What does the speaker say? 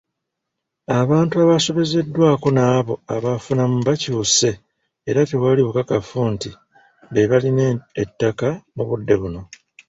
Abantu abaasobezebwako n'abo abaafunamu bakyuse era tewali bukakafu nti be balina ettaka mu budde buno.